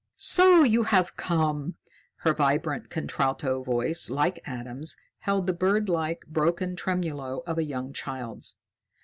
"So you have come!" Her vibrant contralto voice, like Adam's, held the birdlike, broken tremulo of a young child's.